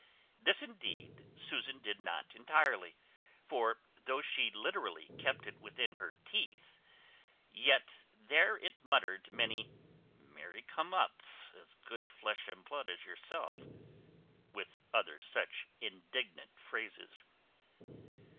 This indeed Susan did not entirely; for, though she literally kept it within her teeth, yet there it muttered many "marry come ups, as good flesh and blood as yourself;" with other such indignant phrases.